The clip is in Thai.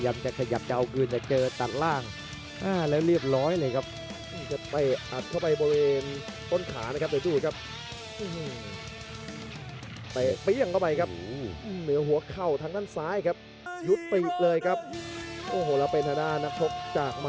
มีจังหวะจิ้มหมัดอัดลำตัวและวงในขวางหน้าตีนักชกรุ่นน้องครับ